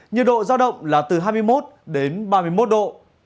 nhiệt độ giao động là từ hai mươi một đến ba mươi một độ